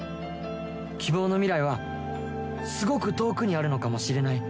希望の未来はすごく遠くにあるのかもしれない。